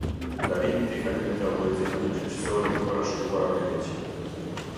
Ndalimi i tejkalimit të autorizimeve gjyqësore të parashikuara me ligj.